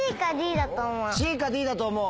ＣかＤだと思う？